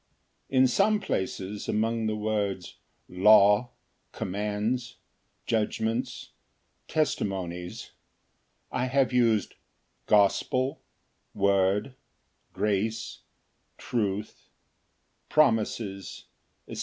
In some places, among the words "law," "commands," "judgments," "testimonies," I have used "gospel," "word," "grace," "truth," "promises," &c.